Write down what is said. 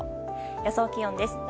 予想気温です。